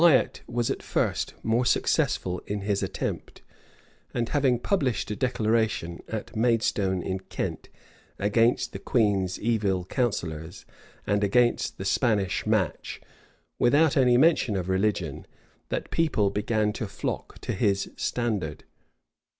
Wiat was at first more successful in his attempt; and having published a declaration, at Maidstone in Kent, against the queen's evil counsellors, and against the Spanish match, without any mention of religion, the people began to flock to his standard.